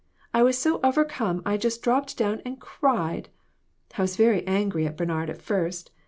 I was so overcome I just dropped down and cried. I was very angry at Bernard at first.